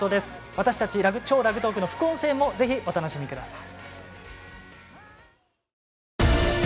私たち「超ラグトーク」の副音声もぜひお楽しみください。